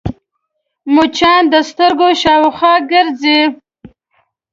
مچان د سترګو شاوخوا ګرځي